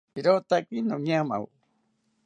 ¡Irotake noñamawo!